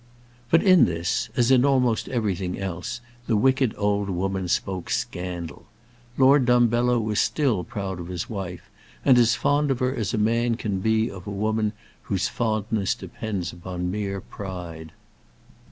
But in this, as in almost everything else, the wicked old woman spoke scandal. Lord Dumbello was still proud of his wife, and as fond of her as a man can be of a woman whose fondness depends upon mere pride.